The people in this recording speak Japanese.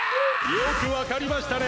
よくわかりましたね。